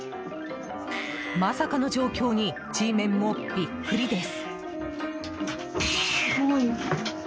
まさかの状況にＧメンもビックリです。